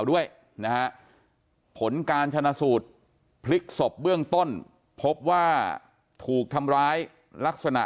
ด้วยนะฮะผลการชนะสูตรพลิกศพเบื้องต้นพบว่าถูกทำร้ายลักษณะ